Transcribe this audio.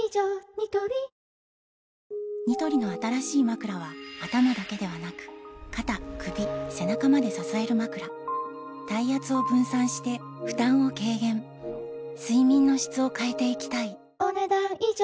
ニトリニトリの新しいまくらは頭だけではなく肩・首・背中まで支えるまくら体圧を分散して負担を軽減睡眠の質を変えていきたいお、ねだん以上。